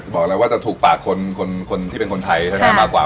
บอกแล้วว่าจะถูกปากคนที่เป็นคนไทยมากกว่า